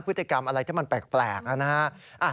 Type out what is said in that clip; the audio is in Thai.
พฤติกรรมอะไรที่มันแปลกนะฮะ